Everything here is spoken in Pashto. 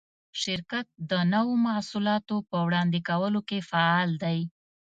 شرکت د نوو محصولاتو په وړاندې کولو کې فعال دی.